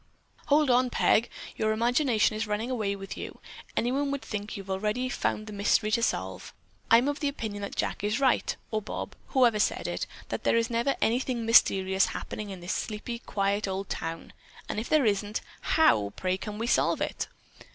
"Hold on, Peg! Your imagination is running away with you. Anyone would think you had already found the mystery to solve. I'm of the opinion that Jack is right, or Bob, whoever said it, that there never is anything mysterious happening in this quiet, sleepy old town, and if there isn't, how, pray, can we solve it?"